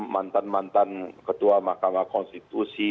mantan mantan ketua mahkamah konstitusi